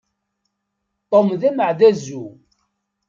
Tom d ameɛdazu.